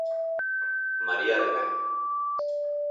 María debén.